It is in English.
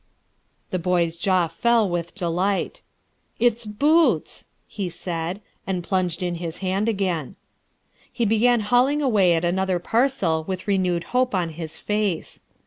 The boy's jaw fell with delight. "It's boots," he said, and plunged in his hand again. He began hauling away at another parcel with renewed hope on his face.